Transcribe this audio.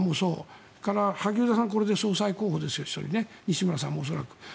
それから萩生田さんもこれで総裁候補ですね西村さんも恐らく。